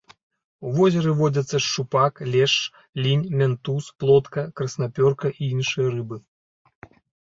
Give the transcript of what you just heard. У возеры водзяцца шчупак, лешч, лінь, мянтуз, плотка, краснапёрка і іншыя рыбы.